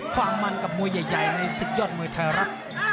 ภังมันกับมวยใหญ่ในสิทธิโยธมวยไทยรัฐ